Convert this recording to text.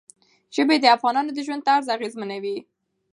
ژبې د افغانانو د ژوند طرز هم اغېزمنوي.